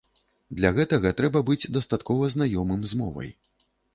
Для гэтага трэба быць дастаткова знаёмым з мовай.